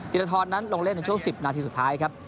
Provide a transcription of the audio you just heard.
ธรทรนั้นลงเล่นในช่วง๑๐นาทีสุดท้ายครับ